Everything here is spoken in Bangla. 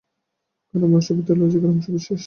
কারণ মানুষটির ভেতর লজিকের অংশ বেশ শক্ত।